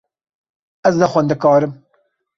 Ez ne xwendekar im.